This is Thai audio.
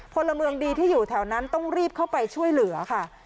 พลเมืองดีที่อยู่แถวนั้นต้องรีบเข้าไปช่วยเหลือค่ะ